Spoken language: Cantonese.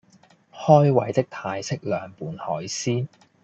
開胃的泰式涼拌海鮮